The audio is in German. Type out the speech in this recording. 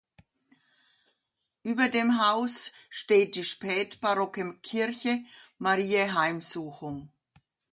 Über dem Haus steht die spätbarocke Kirche Mariä Heimsuchung.